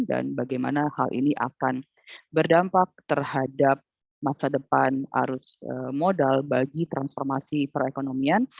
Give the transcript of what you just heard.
dan bagaimana hal ini akan berdampak terhadap masa depan arus modal bagi transformasi perekonomian